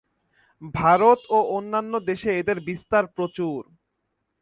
ভারত ও অন্যান্য দেশে এদের বিস্তার প্রচুর।